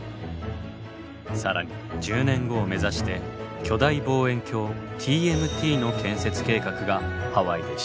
更に１０年後を目指して巨大望遠鏡ＴＭＴの建設計画がハワイで進行中。